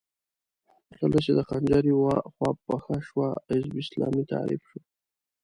کله چې د خنجر يوه خوا پڅه شوه، حزب اسلامي طالب شو.